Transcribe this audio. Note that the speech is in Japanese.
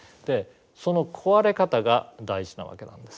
その壊れ方が大事なわけなんです。